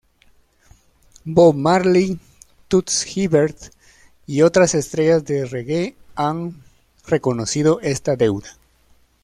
Bob Marley, Toots Hibbert y otras estrellas del reggae han reconocido esta deuda.